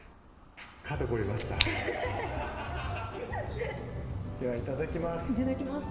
肩こりましたではいただきますいただきます